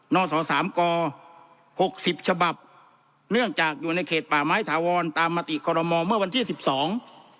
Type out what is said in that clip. อสอสามกหกสิบฉบับเนื่องจากอยู่ในเขตป่าไม้ถาวรตามมติคอรมอเมื่อวันที่สิบสอง